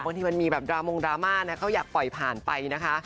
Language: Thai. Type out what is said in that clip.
บางทีมันมีแบบดรามงดราม่านะเขาอยากปล่อยผ่านไปนะคะ